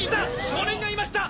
少年がいました！